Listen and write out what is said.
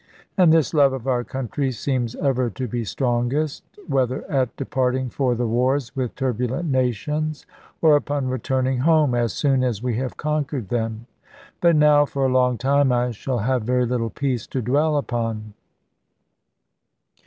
And this love of our country seems ever to be strongest, whether at departing for the wars with turbulent nations, or upon returning home, as soon as we have conquered them. But now for a long time, I shall have very little peace to dwell upon.